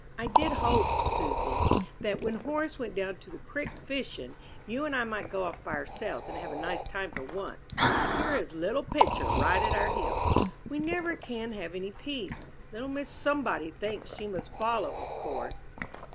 "I did hope, Susy, that when Horace went down to the 'crick' fishing, you and I might go off by ourselves, and have a nice time for once. But here is 'little Pitcher' right at our heels. We never can have any peace. Little Miss Somebody thinks she must follow, of course."